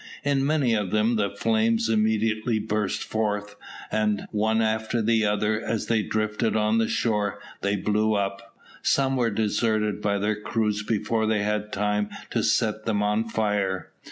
In many of them the flames immediately burst forth, and one after the other as they drifted on the shore, they blew up. Some were deserted by their crews before they had time to set them on fire.